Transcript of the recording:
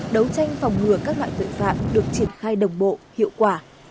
đấu tranh phòng ngừa các loại tội phạm được triển khai đồng bộ hiệu quả